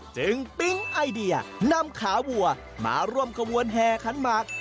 ปิ๊งไอเดียนำขาวัวมาร่วมขบวนแห่ขันหมาก